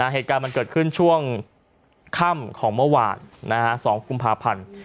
เหตุการณ์มันเกิดขึ้นช่วงค่ำของเมื่อวาน๒กุมภาพันธ์